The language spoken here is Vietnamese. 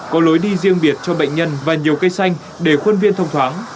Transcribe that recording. có lối đi riêng biệt cho bệnh nhân và nhiều cây xanh để khuôn viên thông thoáng